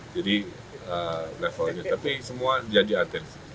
jadi levelnya tapi semua jadi atensi